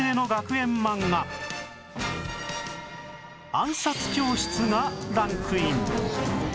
『暗殺教室』がランクイン